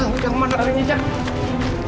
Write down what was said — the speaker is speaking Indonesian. jangan mandi kak